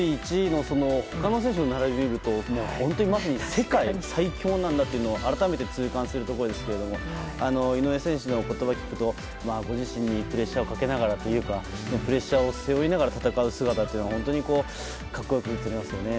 他の選手を並べてみると本当にまさに世界最強なんだと改めて痛感するところですが井上選手の言葉を聞くとご自身にプレッシャーをかけながらというかプレッシャーを背負いながら戦う姿が本当に格好良く映りますよね。